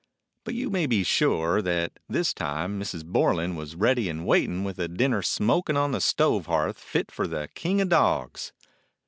But you may be sure that this time Mrs. Bor lan was ready and waiting with a dinner smoking on the stove hearth fit for the king of dogs.